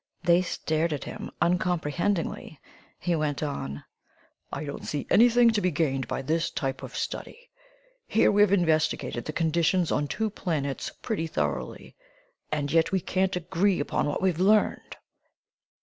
They stared at him uncomprehendingly; he went on: "I don't see anything to be gained by this type of study. Here we've investigated the conditions on two planets pretty thoroughly, and yet we can't agree upon what we've learned!